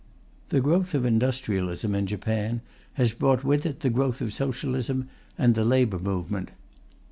The growth of industrialism in Japan has brought with it the growth of Socialism and the Labour movement.